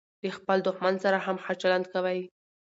له خپل دوښمن سره هم ښه چلند کوئ!